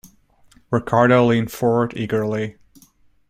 Ricardo leaned forward eagerly.